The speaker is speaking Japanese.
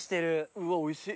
うわおいしい。